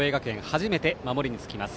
初めて守りにつきます。